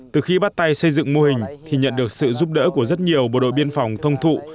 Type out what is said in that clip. từ khi bắt tay xây dựng mô hình thì nhận được sự giúp đỡ của rất nhiều bộ đội biên phòng thông thụ